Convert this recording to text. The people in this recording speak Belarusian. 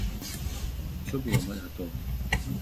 Усё было амаль гатова.